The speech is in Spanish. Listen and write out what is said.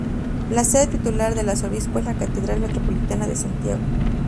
La sede titular del arzobispo es la catedral metropolitana de Santiago.